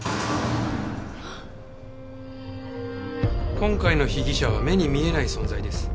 今回の被疑者は目に見えない存在です。